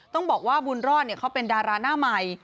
ต้องบอกว่าบุญรอดเขาเป็นดาราหน้าใหม่